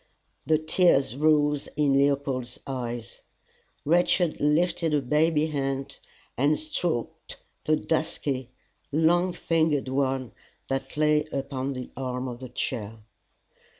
'" The tears rose in Leopold's eyes. Rachel lifted her baby hand, and stroked the dusky, long fingered one that lay upon the arm of the chair.